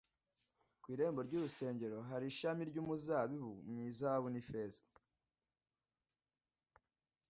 Ku irembo ry'urusengero hari ishami ry'umuzabibu mu izahabu n'ifeza